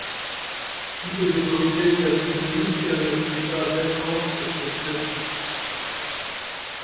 Toutes les autorités taxinomiques ne sont pas d'accord sur ce statut.